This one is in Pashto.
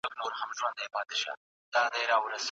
موبایل زنګ وواهه.